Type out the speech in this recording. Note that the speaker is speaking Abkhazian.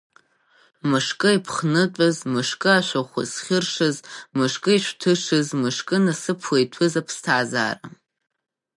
Мышкы иԥхнытәыз, мышкы ашәахәа зхьыршаз, мышкы ишәҭышыз, мышкы насыԥла иҭәыз аԥсҭазаара!